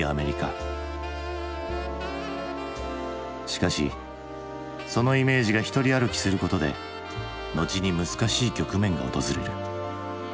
しかしそのイメージが独り歩きすることで後に難しい局面が訪れる。